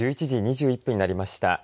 １１時２１分になりました。